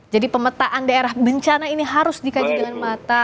jadi pemetaan daerah bencana ini harus dikajukan mata